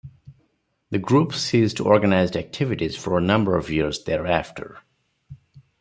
The group ceased organised activities for a number of years thereafter.